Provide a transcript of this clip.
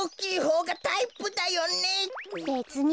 べつに。